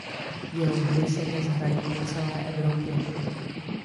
Jeho hry se dnes hrají po celé Evropě.